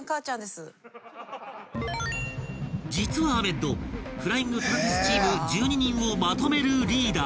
［実はアメッドフライング・トラピスチーム１２人をまとめるリーダー］